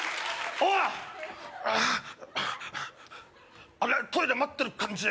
あああれトイレ待ってる感じ？